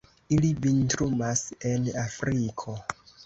Ili vintrumas en Afriko.